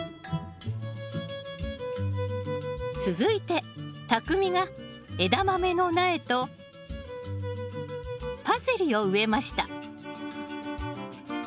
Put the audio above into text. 続いてたくみがエダマメの苗とパセリを植えました。